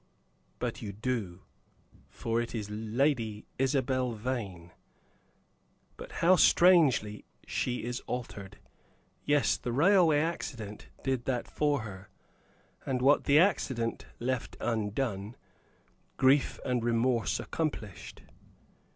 But you do, for it is Lady Isabel Vane. But how strangely she is altered! Yes, the railway accident did that for her, and what the accident left undone, grief and remorse accomplished.